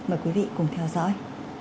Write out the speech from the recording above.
mời quý vị cùng theo dõi